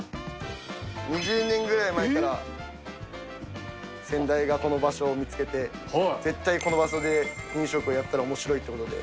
２０年ぐらい前から、先代がこの場所を見つけて、絶対この場所で飲食をやったらおもしろいということで。